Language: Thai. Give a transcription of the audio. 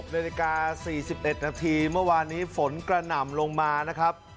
นาฬิกา๔๑นาทีเมื่อวานนี้ฝนกระหน่ำลงมานะครับ